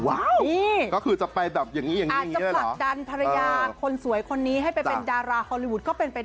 ก็คือจะไปแบบอย่างนี้ยังไงอาจจะผลักดันภรรยาคนสวยคนนี้ให้ไปเป็นดาราฮอลลีวูดก็เป็นไปได้